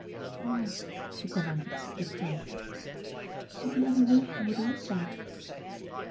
"Oh," she commented, discouraged. "Have you any notion what he looks like?"